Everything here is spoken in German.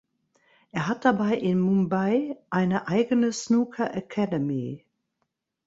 Er hat dabei in Mumbai eine eigene "Snooker Academy".